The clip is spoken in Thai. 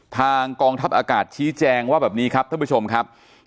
ทางกองทัพอากาศชี้แจงว่าแบบนี้ครับท่านผู้ชมครับ